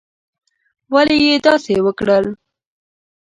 ولي یې داسي وکړل؟